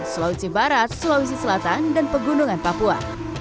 sulawesi barat sulawesi selatan dan pegunungan papua